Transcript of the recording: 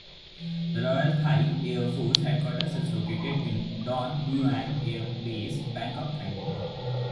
The Royal Thai Air Force Headquarters is located in Don Muang Airbase, Bangkok, Thailand.